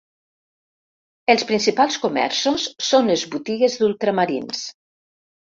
Els principals comerços són les botigues d'ultramarins.